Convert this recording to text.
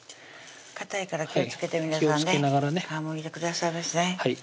かたいから気をつけて皆さんね皮むいてくださいましね